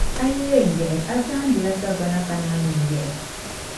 A yi yɛn yiɣi, a zahindila sagbana ka naanyi yiɣi.